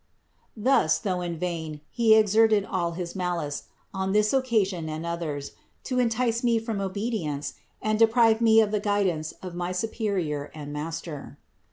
Thus, though in vain, he exerted all his malice, on this occasion and others, to entice me from obedience and deprive me of the guidance of my superior and master.